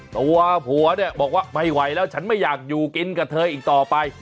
ตัวผัวเนี่ยบอกว่าไม่ไหวแล้วฉันไม่อยากอยู่กินกับเธออีกต่อไป